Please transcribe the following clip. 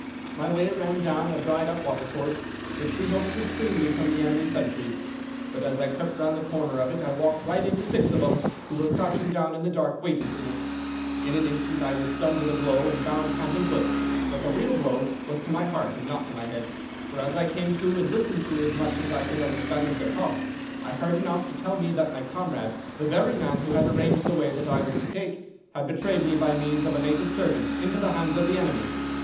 "My way ran down a dried up watercourse, which we hoped would screen me from the enemy's sentries; but as I crept round the corner of it I walked right into six of them, who were crouching down in the dark waiting for me. In an instant I was stunned with a blow and bound hand and foot. But the real blow was to my heart and not to my head, for as I came to and listened to as much as I could understand of their talk, I heard enough to tell me that my comrade, the very man who had arranged the way that I was to take, had betrayed me by means of a native servant into the hands of the enemy.